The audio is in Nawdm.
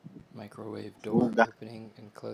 Ruga.